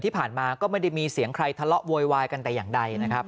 ที่ผ่านมาก็ไม่ได้มีเสียงใครทะเลาะโวยวายกันแต่อย่างใดนะครับ